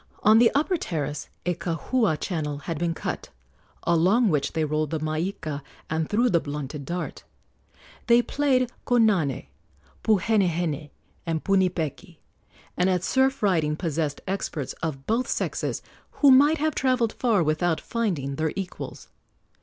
On the upper terrace a kahua channel had been cut, along which they rolled the maika and threw the blunted dart. They played konane, puhenehene, and punipeki, and at surf riding possessed experts of both sexes who might have travelled far without finding their equals.